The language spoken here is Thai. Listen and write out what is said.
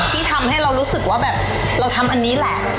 ที่ทำให้เรารู้สึกว่าแบบเราทำอันนี้แหละ